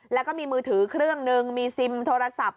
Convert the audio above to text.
แล้วก็มีมือถือเครื่องนึงมีซิมโทรศัพท์